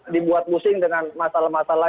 dibuat pusing dengan masalah masalah